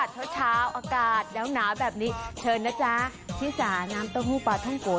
เท่าเช้าอากาศเหนียวหนาวแบบนี้เชิญนะจ้าพี่สาน้ำเต้าหู้ปลาท่องโก